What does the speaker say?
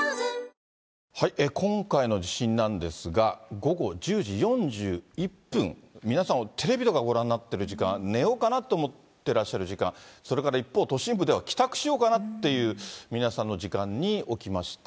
午後１０時４１分、皆さん、テレビとかご覧になってる時間、寝ようかなと思ってらっしゃる時間、それから一方、都心部では帰宅しようかなっていう皆さんの時間に起きました。